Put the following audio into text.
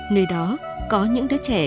nơi đó có những đứa trẻ